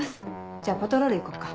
じゃあパトロール行こっか。